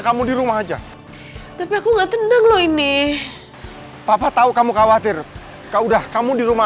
kamu di rumah aja tapi aku nggak tendang loh ini papa tahu kamu khawatir kau udah kamu di rumah